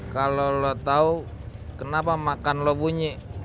kalau lo tahu kenapa makan lo bunyi